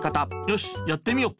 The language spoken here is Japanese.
よしやってみよ。